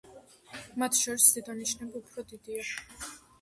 მათ შორის ზედა ნიშები უფრო დიდია.